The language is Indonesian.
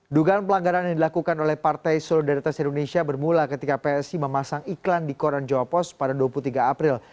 dugaan pelanggaran yang dilakukan oleh partai solidaritas indonesia bermula ketika psi memasang iklan di koran jawa post pada dua puluh tiga april